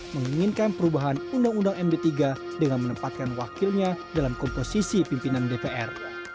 menginginkan perubahan undang undang md tiga dengan menempatkan wakilnya dalam komposisi pimpinan dpr